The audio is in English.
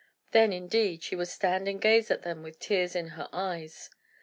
Then, indeed, she would stand and gaze at them with tears in her eyes.